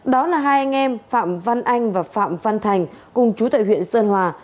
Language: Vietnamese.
đó là hai anh em phạm văn anh và phạm văn thành cùng chú tại huyện sơn hòa